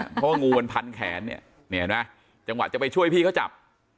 เพราะว่างูมันพันแขนเนี่ยนี่เห็นไหมจังหวะจะไปช่วยพี่เขาจับ